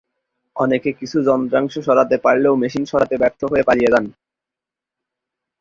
অনেকে কিছু যন্ত্রাংশ সরাতে পারলেও মেশিন সরাতে ব্যর্থ হয়ে পালিয়ে যান।